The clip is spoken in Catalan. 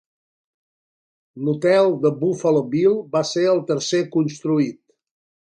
L'hotel de Buffalo Bill va ser el tercer construït.